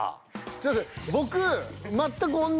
ちょっと僕。